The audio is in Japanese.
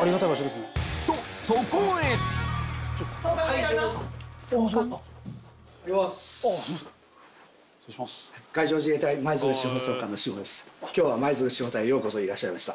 とそこへ今日は舞鶴地方隊へようこそいらっしゃいました。